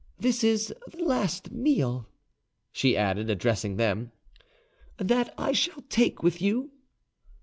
This is the last meal," she added, addressing them, "that I shall take with you."